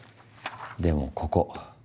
でもここ。